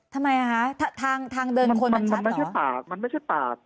ทำไมคะทางเดินคนมันชัดเหรอ